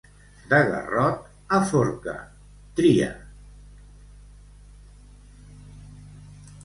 De garrot a forca, tria.